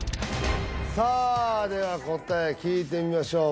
さあでは答え聞いてみましょう